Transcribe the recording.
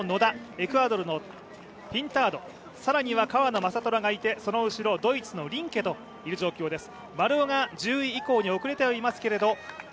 エクアドルのピンタードさらには川野将虎がいてその後ろのドイツのリンケという状況です。